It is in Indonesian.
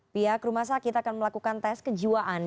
pihak rumah sakit akan melakukan tes kejiwaan